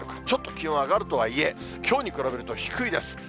ちょっと気温上がるとはいえ、きょうに比べると低いです。